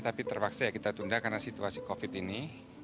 tapi terpaksa ya kita tunda karena situasi covid ini